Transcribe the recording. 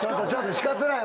仕方ない。